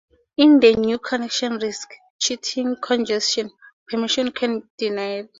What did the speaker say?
If the new connection risks creating congestion, permission can be denied.